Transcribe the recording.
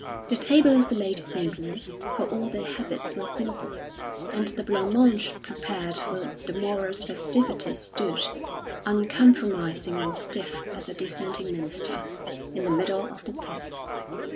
The table was laid simply, for all their habits were simple; and the blanc mange prepared for the morrow's festivities stood, uncompromising and stiff as a dissenting minister, in the middle of the table.